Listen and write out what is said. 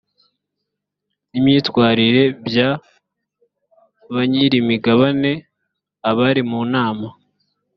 n imyitwarire bya banyirimigabane abari mu nama